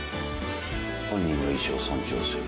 「本人の意思を尊重する」